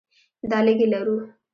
دا لږې لرو.